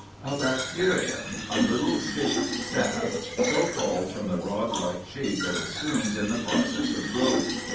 A bacterium a little stick, staff so called from the rodlike shape it assumes in the process of growth.